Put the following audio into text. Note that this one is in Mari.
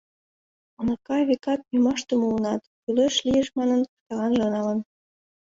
Уныка, векат, ӱмаште муынат, кӱлеш лиеш манын, шкаланже налын.